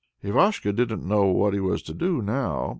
Ivashko didn't know what he was to do now.